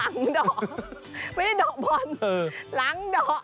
หลังด่อไม่ได้ดอกบอลหลังด่อ